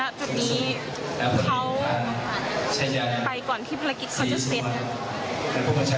แต่ณทุกที่เขาไปก่อนที่ภารกิจเขาจะเสร็จ